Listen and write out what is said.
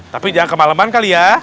tapi jangan kemaleman kali ya